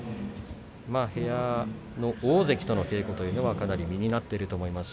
部屋の大関との稽古というのはかなり身になっていると思います。